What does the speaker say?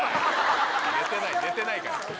寝てない寝てないから。